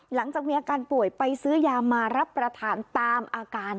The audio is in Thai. หลังจากมีอาการป่วยไปซื้อยามารับประทานตามอาการ